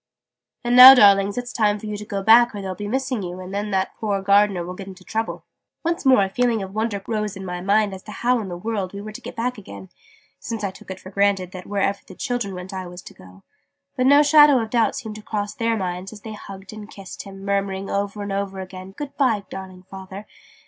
"And now darlings it's time for you to go back or they'll be missing you and then that poor Gardener will get into trouble!" Once more a feeling of wonder rose in my mind as to how in the world we were to get back again since I took it for granted that wherever the children went I was to go but no shadow of doubt seemed to cross their minds as they hugged and kissed him murmuring over and over again "Good bye darling Father!"